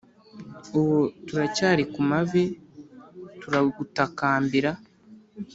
Ubu turacyari ku mavi turagutakambira